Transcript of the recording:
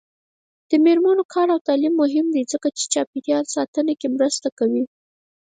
د میرمنو کار او تعلیم مهم دی ځکه چې چاپیریال ساتنه کې مرسته کوي.